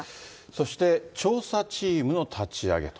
そして調査チームの立ち上げと。